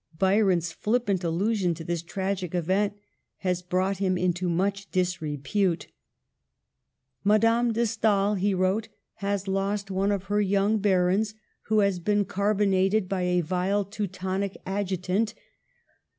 Byron's flippant allu sion to this tragic event has brought him into much disrepute. " Madame de Stael," he wrote, " has lost one of her young Barons, who has been carbonaded by a vile Teutonic adjutant.